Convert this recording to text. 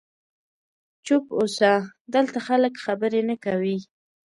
چوپ اوسه، دلته خلک خبرې نه کوي.